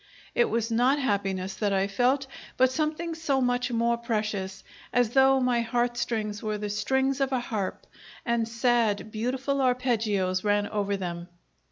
It was not happiness that I felt, but something so much more precious, as though my heart strings were the strings of a harp, and sad, beautiful arpeggios ran over them.